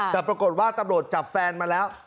แต่ปรากฏว่าตำรวจจับแฟนมาแล้ว